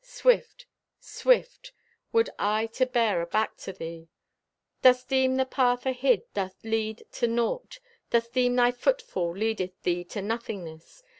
Swift, swift, Would I to bear aback to thee. Dost deem the path ahid doth lead to naught? Dost deem thy footfall leadest thee to nothingness?